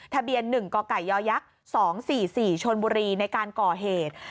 ทะเบียน๑กกย๒๔๔ชนบุรีในการก่อเหตุ